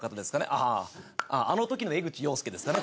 あああの時の江口洋介ですかね